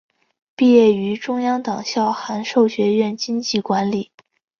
毕业于中央党校函授学院经济管理。